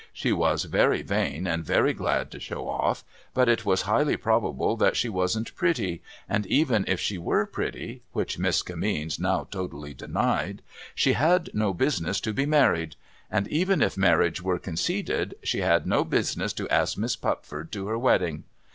She was very vain, and very glad to show off; but it was highly probable that she wasn't i)retty ; and even if she were pretty (which Miss Kimmeens now totally denied), she had no business to be married ; and, even if marriage were conceded, she had no business to ask Miss Pui>ford to her wedding.